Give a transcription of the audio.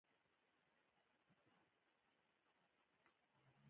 آیا کردان په لویدیځ کې نه اوسیږي؟